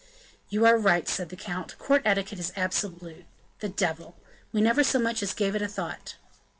"You are right," said the count, "court etiquette is absolute. The devil! we never so much as gave it a thought."